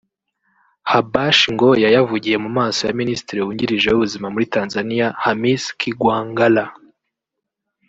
Habash ngo yayavugiye mu maso ya Minisitiri wungirije w’Ubuzima muri Tanzania Hamis Kigwangalla